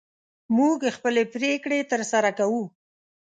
موږ خپلې پرېکړې تر سره کوو.